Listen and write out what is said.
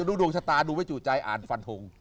อยากดูดวงชะตาดูไว้จูตใจอ่านฟันฐง